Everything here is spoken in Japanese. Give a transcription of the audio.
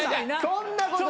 そんなことない。